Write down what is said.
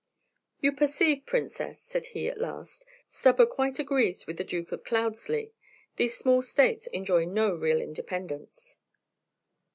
"You perceive, Princess," said he, at last, "Stubber quite agrees with the Duke of Cloudeslie, these small states enjoy no real independence."